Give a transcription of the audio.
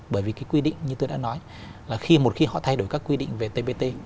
bởi vì cái quy định như tôi đã nói là khi một khi họ thay đổi các quy định về tbt